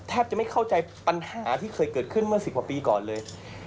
แทบจะไม่เข้าใจปัญหาที่เคยเกิดขึ้นเมื่อ๑๐กว่าปีก่อนเลย